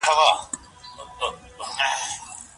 موټر په کوتل کې ورو روان و.